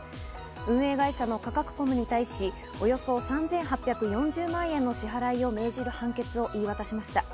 運営会社のカカクコムに対し、およそ３８４０万円の支払いを命じる判決を言い渡しました。